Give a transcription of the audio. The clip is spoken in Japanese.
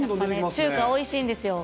中華おいしいんですよ。